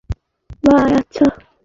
আচ্ছা ভাই, আচ্ছা।